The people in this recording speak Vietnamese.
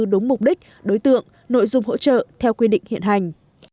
đúng mục đích đối tượng nội dung hỗ trợ theo quy định hiện hành